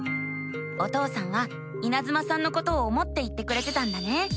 お父さんはいなずまさんのことを思って言ってくれてたんだね。